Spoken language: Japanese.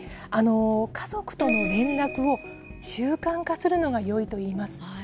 家族との連絡を、習慣化するのがよいといいます。